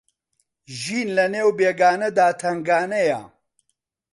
ژین لە نێو بێگانەدا تەنگانەیە